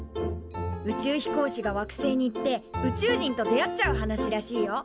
宇宙飛行士が惑星に行って宇宙人と出会っちゃう話らしいよ。